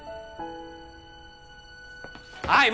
はい